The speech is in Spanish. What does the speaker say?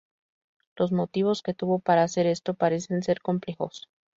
Los motivos que tuvo para hacer esto parecen ser complejos.